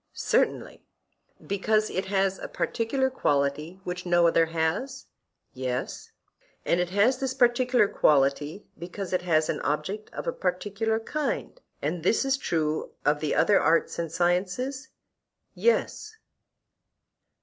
Certainly. Because it has a particular quality which no other has? Yes. And it has this particular quality because it has an object of a particular kind; and this is true of the other arts and sciences? Yes.